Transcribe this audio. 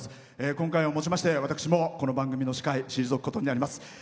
今回をもちまして、私もこの番組の司会を退くことになります。